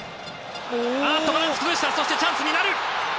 バランスを崩したチャンスになる！